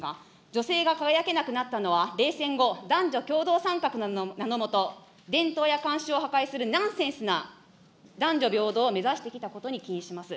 女性が輝けなくなったのは、冷戦後、男女共同参画の名の下、伝統や慣習を破壊するナンセンスな男女平等を目指してきたことに起因します。